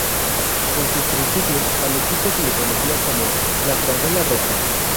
En sus principios al equipo se le conocía como la "Franela Roja".